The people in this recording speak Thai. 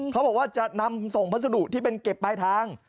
เขาบอกว่าจะนำส่งพัสดุที่เป็นเก็บปลายทาง